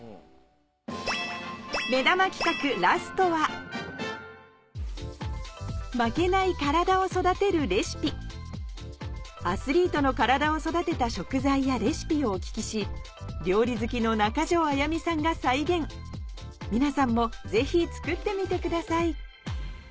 目玉企画ラストはアスリートの体を育てた食材やレシピをお聞きし料理好きの中条あやみさんが再現皆さんもぜひ作ってみてください